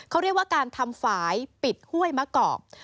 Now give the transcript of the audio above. เขาเรียกว่าการทำฝ่ายปิดห้วยมะกอก